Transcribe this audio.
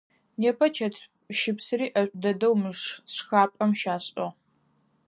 Непэ чэтщыпсыри ӏэшӏу дэдэу мы шхапӏэм щашӏыгъ.